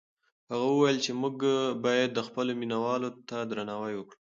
هغه وویل چې موږ باید خپلو مینه والو ته درناوی وکړو.